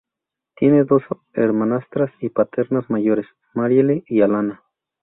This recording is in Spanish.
Tiene dos hermanastras paternas mayores, Marielle y Alana.